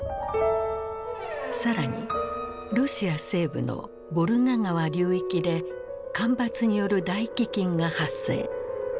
更にロシア西部のボルガ川流域で干ばつによる大飢饉が発生。